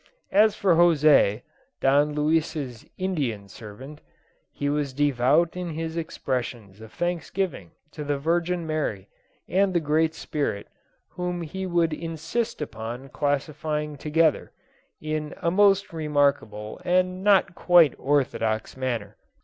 As for José, Don Luis's Indian servant, he was devout in his expressions of thanksgiving to the Virgin Mary and the Great Spirit, whom he would insist upon classifying together, in a most remarkable and not quite orthodox manner.